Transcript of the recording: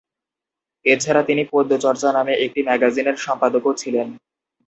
এছাড়া তিনি "পদ্য চর্চা" নামে একটি ম্যাগাজিনের সম্পাদকও ছিলেন।